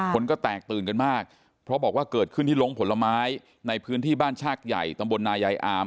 คนก็แตกตื่นกันมากเพราะบอกว่าเกิดขึ้นที่ลงผลไม้ในพื้นที่บ้านชากใหญ่ตำบลนายายอาม